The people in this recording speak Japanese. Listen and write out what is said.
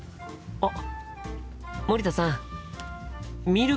あっ。